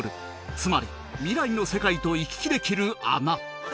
つまり未来の世界と行き来できる穴